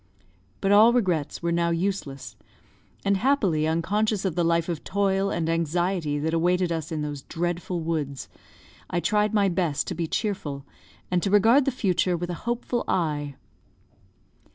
But all regrets were now useless; and happily unconscious of the life of toil and anxiety that awaited us in those dreadful woods, I tried my best to be cheerful, and to regard the future with a hopeful eye.